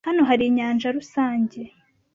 Hano hari inyanja rusange?